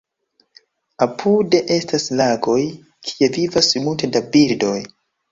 Apude estas lagoj, kie vivas multe da birdoj.